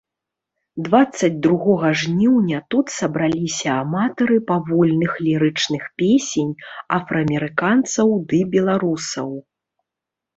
Дваццаць другога жніўня тут сабраліся аматары павольных лірычных песень афраамерыканцаў ды беларусаў.